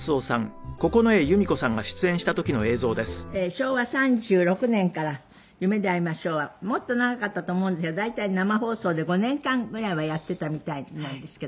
昭和３６年から『夢であいましょう』はもっと長かったと思うんですけど大体生放送で５年間ぐらいはやっていたみたいなんですけど。